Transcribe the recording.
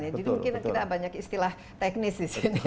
jadi mungkin kita banyak istilah teknis di sini